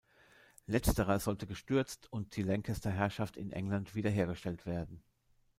Letzterer sollte gestürzt und die Lancaster-Herrschaft in England wiederhergestellt werden.